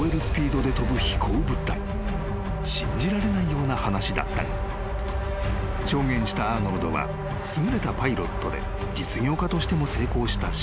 ［信じられないような話だったが証言したアーノルドは優れたパイロットで実業家としても成功した］